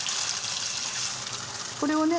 これをね。